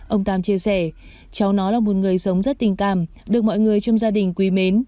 ông tam chia sẻ cháu nó là một người giống rất tình cảm được mọi người trong gia đình quý mến